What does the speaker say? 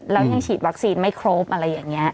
แล้วยังฉีดวัคซีนไม่ครบอะไรอย่างนี้